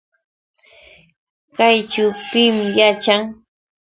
¿Kayćhu pim yaćhan?